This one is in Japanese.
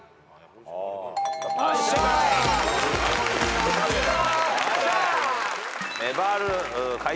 よかった！